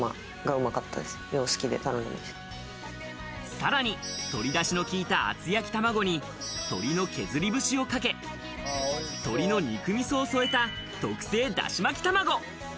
さらに鶏ダシの効いた厚焼き玉子に、鶏の削り節をかけ、鶏の肉味噌を添えた、特製だし巻きたまご。